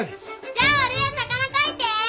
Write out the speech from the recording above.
じゃあ俺は「魚」書いて！